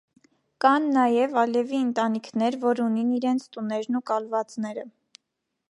Կան նաեւ ալեւի ընտանիքներ որ ունին իրենձ տուներն ու կալուածները։